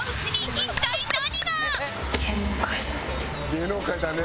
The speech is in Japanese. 「芸能界だね」。